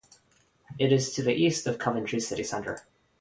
It is to the east of Coventry city centre.